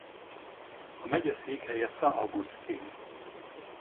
A megye székhelye San Agustín.